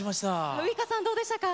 ウイカさん、どうでしたか？